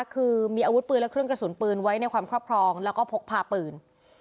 คือมีอาวุธปืนและเครื่องกระสุนปืนไว้ในความครอบครองแล้วก็พกพาปืน